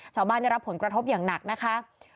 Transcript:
ชาวบ้านเนี่ยรับผลกระทบอย่างหนักนะคะ